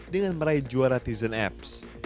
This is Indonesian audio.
dengan meraih juara tizen app